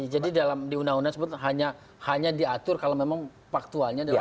jadi dalam di undang undang sebetulnya hanya diatur kalau memang faktualnya